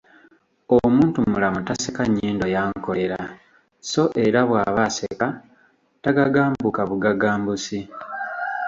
Omuntumulamu taseka “nnyindo yankolera” so era bw’aba aseka tagagambukabugagambusi.